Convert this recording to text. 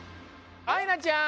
あいなちゃん！